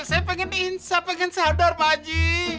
saya pengen diinsap pengen sadar pak aji